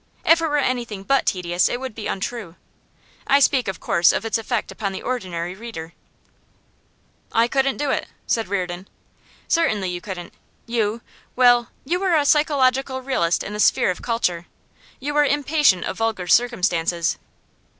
If it were anything but tedious it would be untrue. I speak, of course, of its effect upon the ordinary reader.' 'I couldn't do it,' said Reardon. 'Certainly you couldn't. You well, you are a psychological realist in the sphere of culture. You are impatient of vulgar circumstances.